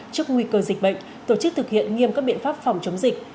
trước nguy cơ dịch bệnh tổ chức thực hiện nghiêm các biện pháp phòng chống dịch